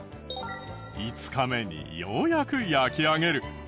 ５日目にようやく焼き上げる。